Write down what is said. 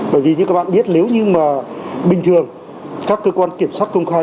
bởi vì như các bạn biết nếu như mà bình thường các cơ quan kiểm soát công khai